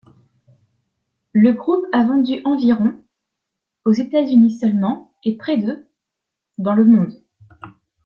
Le groupe a vendu environ aux États-Unis seulement et près de dans le monde.